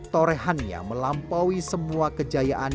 torehannya melampaui semua kejayaan